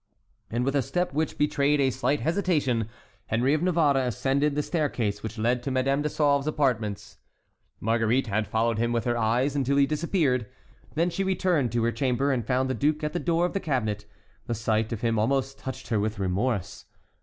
And with a step which betrayed a slight hesitation, Henry of Navarre ascended the staircase which led to Madame de Sauve's apartments. Marguerite had followed him with her eyes until he disappeared. Then she returned to her chamber, and found the duke at the door of the cabinet. The sight of him almost touched her with remorse.